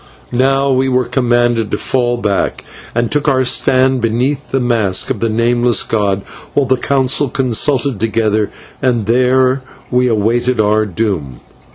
Now we were commanded to fall back, and took our stand beneath the mask of the Nameless god, while the Council consulted together, and there we awaited our doom.